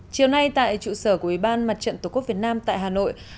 chiều nay tại trụ sở của ủy ban mặt trận tổ quốc việt nam tại hà nội